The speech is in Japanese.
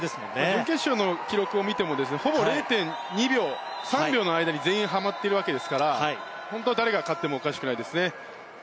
準決勝の記録を見てもほぼ０．２秒、３秒の間に全員はまっているわけですから誰が勝ってもおかしくないですね。